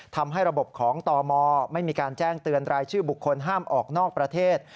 ทำให้ระบบของตมไม่มีการแจ้งเตือนรายชื่อบุคคลห้ามออกนอกประเทศ